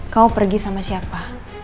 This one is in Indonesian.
kau pergi sama siapa